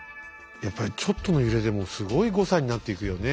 やっぱりちょっとの揺れでもすごい誤差になっていくよね。